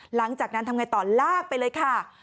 หลังจากนั้นทำไงต่อลากไปเลยค่ะ